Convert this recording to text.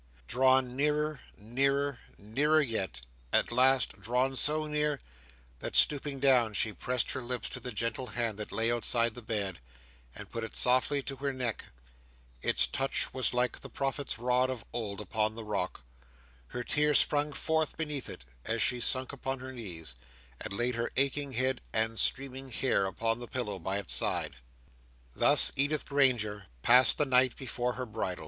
Drawn nearer, nearer, nearer yet; at last, drawn so near, that stooping down, she pressed her lips to the gentle hand that lay outside the bed, and put it softly to her neck. Its touch was like the prophet's rod of old upon the rock. Her tears sprung forth beneath it, as she sunk upon her knees, and laid her aching head and streaming hair upon the pillow by its side. Thus Edith Granger passed the night before her bridal.